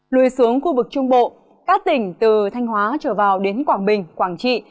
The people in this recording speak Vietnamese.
lui xuống khu vực trung bộ các tỉnh từ thanh hóa trở vào đến quảng bình quảng trị